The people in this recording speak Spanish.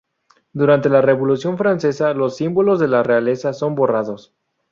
Durante la Revolución francesa los símbolos de la realeza son borrados.